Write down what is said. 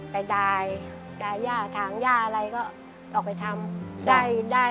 ไปดายดายย่าถางย่าอะไรก็ออกไปทำ